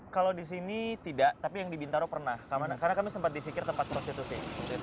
kalau di sini tidak tapi yang di bintaro pernah kemana karena kami sempat difikir tempat prostitusi